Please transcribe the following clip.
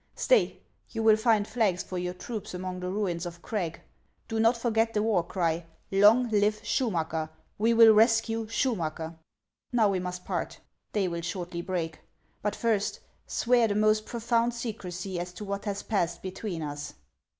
" Stay ; you will find flags for your troops among the ruins of Crag. Do not forget the war cry, 'Long live Schu naacker ! We will rescue Schumacker !' Now WTC must part ; day will shortly break. But first, swear the most profound secrecy as to what has passed between us."